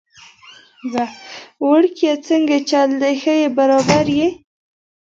وړکیه څنګه چل دی، ښه يي برابر يي؟